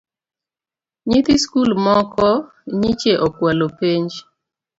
Nyithi skul moko nyiche okwalo penj